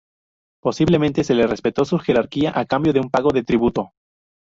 Posiblemente se le respetó su jerarquía a cambio de un pago de tributo.